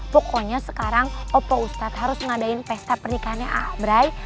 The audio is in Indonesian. pokoknya sekarang opa ustad harus ngadain pesta pernikahannya abrai